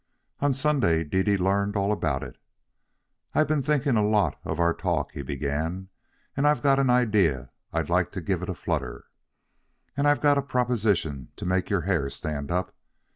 On Sunday Dede learned all about it. "I've been thinking a lot of our talk," he began, "and I've got an idea I'd like to give it a flutter. And I've got a proposition to make your hair stand up.